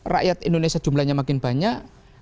rakyat indonesia jumlahnya makin banyak